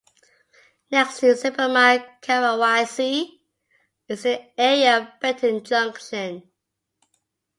Next to Supermal Karawaci, is the area of Benton Junction.